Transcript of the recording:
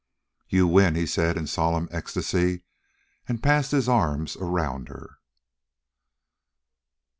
"You win," he said in solemn ecstasy, and passed his arms around her.